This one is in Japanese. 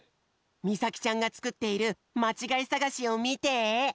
みさきちゃんがつくっているまちがいさがしをみて！